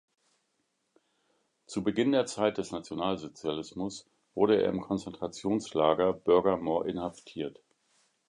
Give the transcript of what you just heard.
Zu Beginn der Zeit des Nationalsozialismus wurde er im Konzentrationslager Börgermoor inhaftiert.